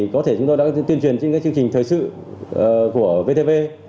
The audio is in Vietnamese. có thể chúng tôi đã tuyên truyền trên chương trình thời sự của vtv